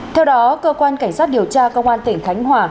theo đó cơ quan cảnh sát điều tra công an tỉnh khánh hòa